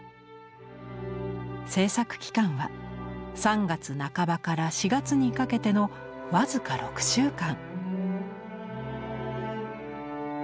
制作期間は３月半ばから４月にかけての僅か６週間。